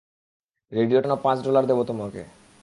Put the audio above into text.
Radiator জন্য পাঁচ dollar দেবো তোমাকে।